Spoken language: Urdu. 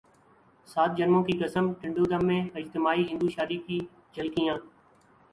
سات جنموں کی قسم ٹنڈو دم میں اجتماعی ہندو شادی کی جھلکیاں